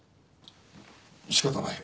仕方ない。